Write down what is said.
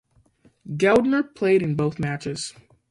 Geldner played in both matches.